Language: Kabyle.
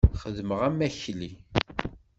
Xeddmeɣ am wakli!